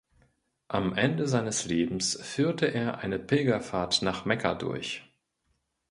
Am Ende seines Lebens führte er eine Pilgerfahrt nach Mekka durch.